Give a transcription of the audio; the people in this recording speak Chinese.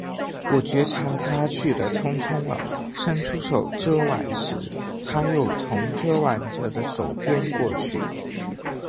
我觉察他去的匆匆了，伸出手遮挽时，他又从遮挽着的手边过去。